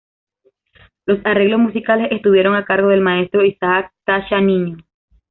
Los arreglos musicales estuvieron a cargo del maestro Isaac Tacha Niño.